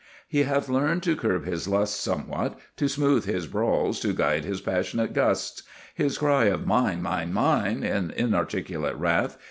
He hath learned to curb his lusts Somewhat, to smooth his brawls, to guide his passionate gusts, His cry of "Mine, mine, mine!" in inarticulate wrath.